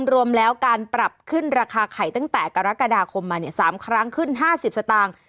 รวมแล้วการปรับขึ้นราคาไข่ตั้งแต่กรกฎาคมมา๓ครั้งขึ้น๕๐สตางค์